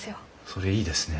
それいいですね。